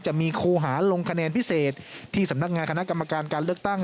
จะมีครูหาลงคะแนนพิเศษที่สำนักงานคณะกรรมการการเลือกตั้ง